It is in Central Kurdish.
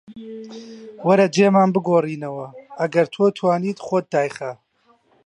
وەرە جێمان بگۆڕینەوە، ئەگەر تۆ توانیت خۆت دایخە